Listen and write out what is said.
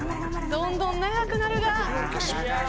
どんどん長くなるが。